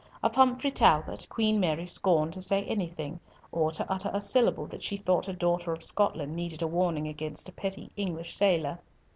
Of Humfrey Talbot, Queen Mary scorned to say anything, or to utter a syllable that she thought a daughter of Scotland needed a warning against a petty English sailor.